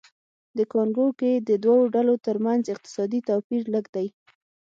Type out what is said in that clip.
د کانګو کې د دوو ډلو ترمنځ اقتصادي توپیر لږ دی